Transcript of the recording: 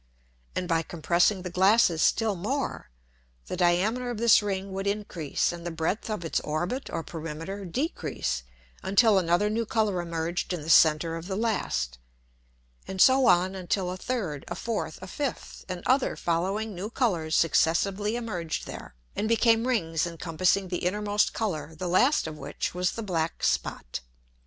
And by compressing the Glasses still more, the diameter of this Ring would increase, and the breadth of its Orbit or Perimeter decrease until another new Colour emerged in the center of the last: And so on until a third, a fourth, a fifth, and other following new Colours successively emerged there, and became Rings encompassing the innermost Colour, the last of which was the black Spot.